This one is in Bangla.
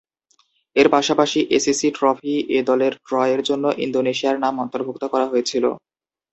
এর পাশাপাশি এসিসি ট্রফি এর দলের ড্র এর জন্য ইন্দোনেশিয়ার নাম অন্তর্ভুক্ত করা হয়েছিল।